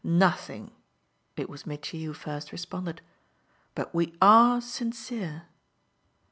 "Nothing!" it was Mitchy who first responded. "But we ARE sincere."